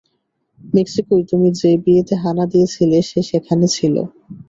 মেক্সিকোয় তুমি যে বিয়েতে হানা দিয়েছিলে সে সেখানে ছিল।